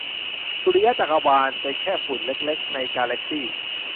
สุริยจักรวาล เป็นแค่ฝุ่นเล็กเล็ก ในกาแลกซี่